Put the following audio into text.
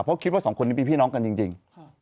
เพราะคิดว่าสองคนนี้เป็นพี่น้องกันจริง